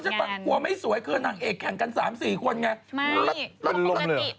เห็นมีงานนี้มีงานนี้